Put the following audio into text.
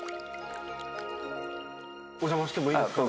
お邪魔してもいいですか？